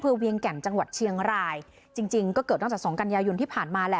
เวียงแก่นจังหวัดเชียงรายจริงจริงก็เกิดตั้งแต่สองกันยายนที่ผ่านมาแหละ